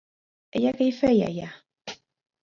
Ella què hi feia allà?